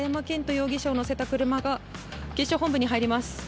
容疑者を乗せた車が警視庁本部に入ります。